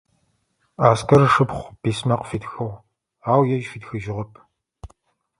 Аскэр ышыпхъу письма къыфитхыгъ, ау ежь фитхыжьыгъэп.